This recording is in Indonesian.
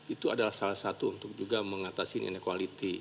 itu adalah salah satu untuk juga mengatasi inequality